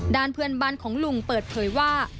ด้านเพื่อนบ้านของลุงเปิดเผยว่า